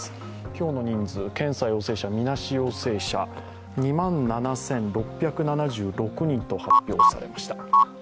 今日の人数、検査陽性者、みなし陽性者、２万７６７６人と発表されました。